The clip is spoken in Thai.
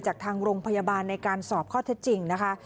จากทางโรงพยาบาลในการสอบข้อเท็จจริงนะคะ